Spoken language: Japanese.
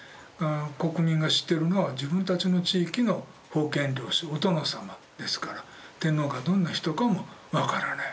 国民が知ってるのは自分たちの地域の封建領主お殿様ですから天皇がどんな人かも分からない。